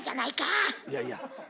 いやいや。